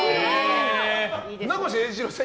船越英一郎さん